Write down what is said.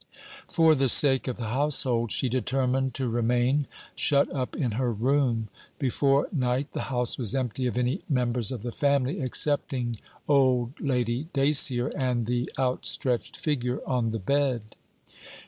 For the sake of the household she determined to remain, shut up in her room. Before night the house was empty of any members of the family excepting old Lady Dacier and the outstretched figure on the bed.